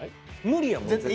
無理やもん絶対。